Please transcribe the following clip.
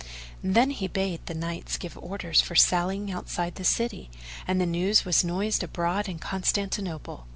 Then he bade the Knights give orders for sallying outside the city, and the news was noised abroad in Constantinople.